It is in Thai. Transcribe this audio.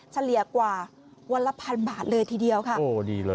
เฉลี่ยกว่าวันละพันบาทเลยทีเดียวค่ะโอ้ดีเลย